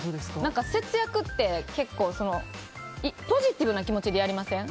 節約ってポジティブな気持ちでやりません？